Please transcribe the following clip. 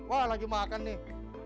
wah lagi makan nih